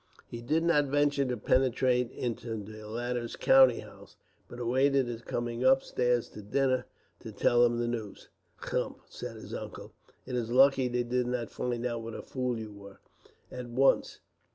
He did not venture to penetrate into the latter's counting house, but awaited his coming upstairs to dinner, to tell him the news. "Humph!" said his uncle; "it is lucky they did not find out what a fool you were, at once.